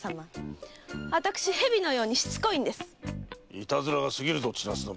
いたずらが過ぎるぞ千奈津殿。